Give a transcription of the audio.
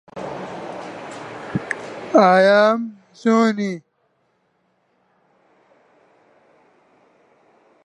کە عەشیرەتێکن و ئاوارەی ئەو ناوە بوون